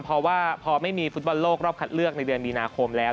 เพราะว่าพอไม่มีฟุตบอลโลกรอบคัดเลือกในเดือนมีนาคมแล้ว